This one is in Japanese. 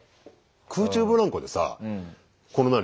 空中ブランコでさこの何？